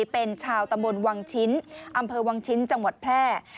เป็นชาวตำบลวังชิ้นอำเภอวังชิ้นจังหวัดแพร่